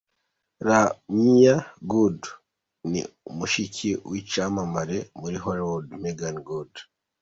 La’Myia Good ni mushiki w’icyamamare muri Hollywood, Meagan Good.